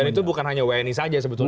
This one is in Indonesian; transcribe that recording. dan itu bukan hanya wni saja sebetulnya